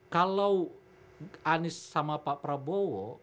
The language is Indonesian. kalau anies sama pak prabowo